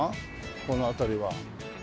この辺りは。